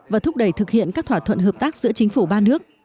và thúc đẩy thực hiện các thỏa thuận hợp tác giữa chính phủ ba nước